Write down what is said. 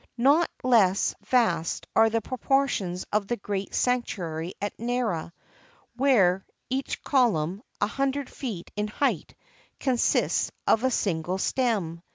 Not less vast are the proportions of the great sanctuary at Nara, where each column, a hundred feet in height, consists of a single stem.